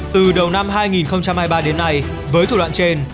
từ đầu năm hai nghìn hai mươi ba đến nay với thủ đoạn trên